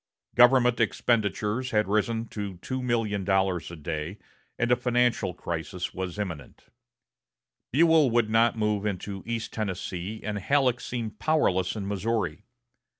Government expenditures had risen to $2,000,000 a day, and a financial crisis was imminent. Buell would not move into East Tennessee, and Halleck seemed powerless in Missouri.